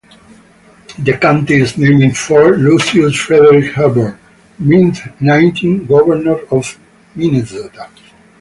The county is named for Lucius Frederick Hubbard, ninth Governor of Minnesota.